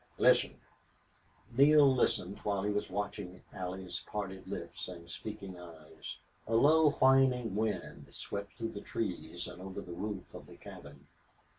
"Listen." Neale listened while he was watching Allie's parted lips and speaking eyes. A low, whining wind swept through the trees and over the roof of the cabin.